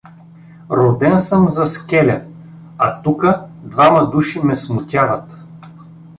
— Роден съм за скеля, а тука двама души ме смутяват!